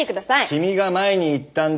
君が前に言ったんだ。